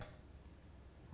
rumah inilah yang pertama